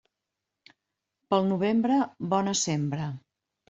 Pel novembre, bona sembra.